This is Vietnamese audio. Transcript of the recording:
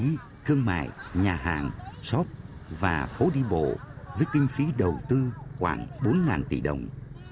các thương mại nhà hàng shop và phố đi bộ với kinh phí đầu tư khoảng bốn tỷ đồng